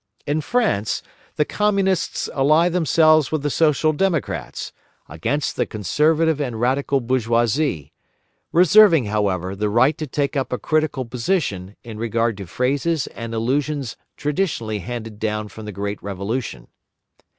In France the Communists ally themselves with the Social Democrats, against the conservative and radical bourgeoisie, reserving, however, the right to take up a critical position in regard to phrases and illusions traditionally handed down from the great Revolution.